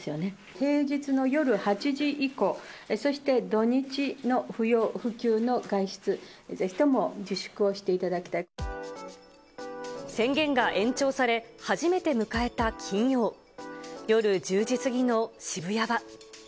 平日の夜８時以降、そして土日の不要不急の外出、宣言が延長され、初めて迎えた金曜夜１０時過ぎの渋谷は。